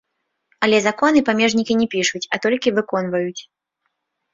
Але законы памежнікі не пішуць, а толькі выконваюць.